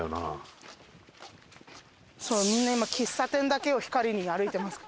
みんな今喫茶店だけを光に歩いてます。